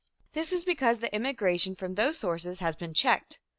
This is because the immigration from those sources has been checked.